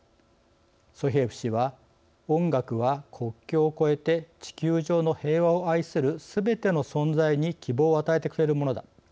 ソヒエフ氏は「音楽は国境を越えて地球上の平和を愛するすべての存在に希望を与えてくれるものだ。